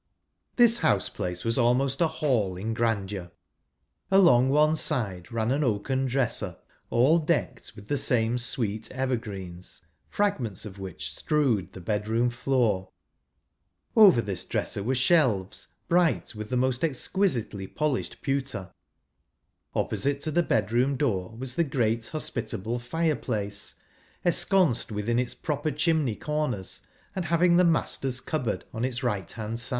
This house place was almost a hall in grandeur. Along one side ran an oaken dresser, all decked with the same sweet ever¬ greens, fragments of which strewed the bed¬ room floor. Over this dresser were shelves, bright with most exquisitely polished pewter. Opposite to the bedroom door was the great hospitable fireplace, ensconced within its proper chimney corners, and having the " master's cupboard " on its right hand side.